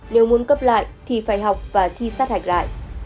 nếu muốn cấp lại thì phải học và thi sát hạch lại